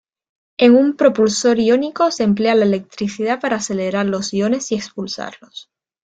En un propulsor iónico, se emplea la electricidad para acelerar los iones y expulsarlos.